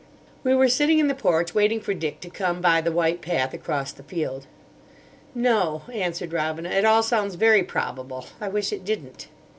We were sitting in the porch, waiting for Dick to come by the white path across the field. "No," answered Robina. "It all sounds very probable. I wish it didn't."